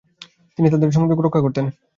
তিনি তাদের মধ্যে সংযোগ রক্ষা করতেন।